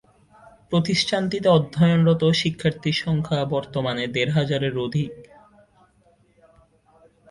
প্রতিষ্ঠানটিতে অধ্যয়নরত শিক্ষার্থী সংখ্যা বর্তমানে দেড় হাজারের অধিক।